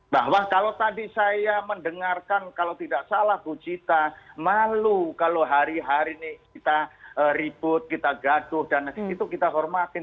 bahwa kalau tadi saya mendengarkan kalau tidak salah bu cita malu kalau hari hari ini kita ribut kita gaduh dan itu kita hormatin